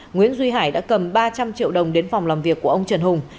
nguyễn duy hải đã cầm ba trăm linh triệu đồng đến phòng làm việc của ông trần hùng